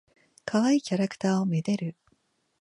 かわいいキャラクターを愛でる。